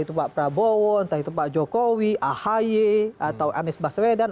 mbak bowo entah itu mbak jokowi ahaye atau anies baswedan